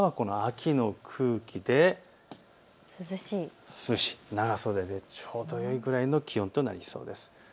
あしたは秋の空気で涼しい、長袖でちょうどいいくらいの気温となりそうです。